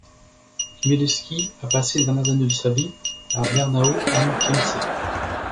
Chmielevski a passé les dernières années de sa vie à Bernau am Chiemsee.